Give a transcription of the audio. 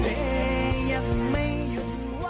ที่ยับไม่หยุดว่าง